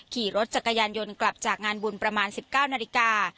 ขี่รถจักรยานยนต์กลับจากงานบุญประมาณ๑๙นาฬิกา